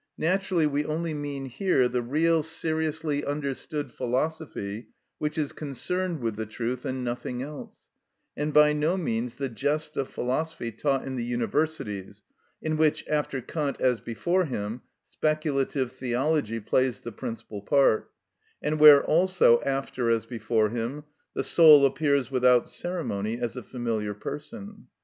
Naturally we only mean here the real seriously understood philosophy which is concerned with the truth, and nothing else; and by no means the jest of philosophy taught in the universities, in which, after Kant as before him, speculative theology plays the principal part, and where, also, after as before him, the soul appears without ceremony as a familiar person.